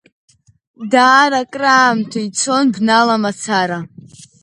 Даара акраамҭа ицон бнала мацара.